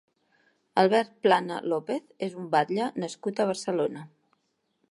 Albert Plana López és un batlle nascut a Barcelona.